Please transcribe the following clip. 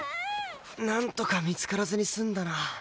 なんとか見つからずに済んだな。